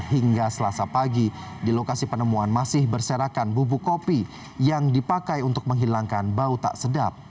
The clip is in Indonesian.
hingga selasa pagi di lokasi penemuan masih berserakan bubuk kopi yang dipakai untuk menghilangkan bau tak sedap